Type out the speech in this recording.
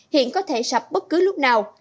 hiện có thể sập bất cứ lúc nào